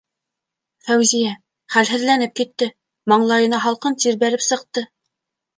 - Фәүзиә, хәлһеҙләнеп китте, маңлайына һалҡын тир бәреп сыҡты.